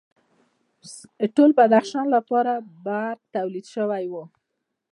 ټول بدخشان لپاره به برق تولید شوی و